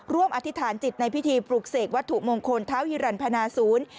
อธิษฐานจิตในพิธีปลุกเสกวัตถุมงคลท้าวฮิรันพนาศูนย์